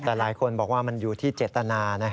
แต่หลายคนบอกว่ามันอยู่ที่เจตนา